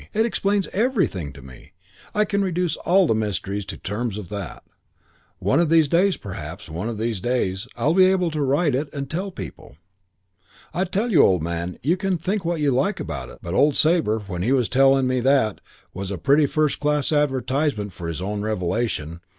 It explains everything to me. I can reduce all the mysteries to terms of that. One of these days, perhaps one of these days, I'll be able to write it and tell people.' "I tell you, old man, you can think what you like about it, but old Sabre, when he was telling me that, was a pretty first class advertisement for his own revelation.